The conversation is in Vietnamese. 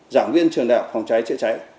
giảng viên trường đạo phòng cháy chữa cháy